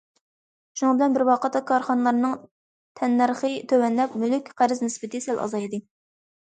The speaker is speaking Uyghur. شۇنىڭ بىلەن بىر ۋاقىتتا، كارخانىلارنىڭ تەننەرخى تۆۋەنلەپ، مۈلۈك قەرز نىسبىتى سەل ئازايدى.